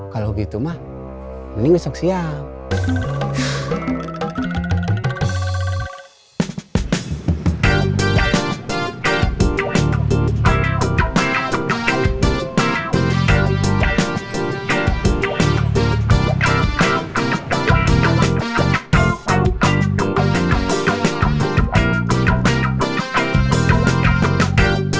kalau gitu mah mending besok siap